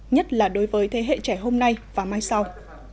nhất là đối với thế hệ trẻ hôm nay và mai sau